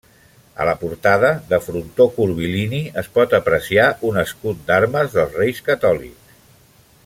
A la portada, de frontó curvilini, es pot apreciar un escut d'armes dels Reis Catòlics.